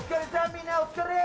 みんなお疲れ！